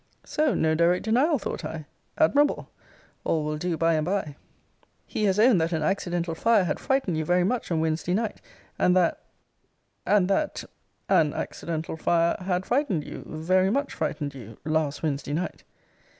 So no direct denial, thought I. Admirable! All will do by and by. Miss R. He has owned that an accidental fire had frightened you very much on Wednesday night and that and that an accidental fire had frightened you very much frightened you last Wednesday night!